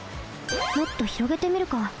もっとひろげてみるか。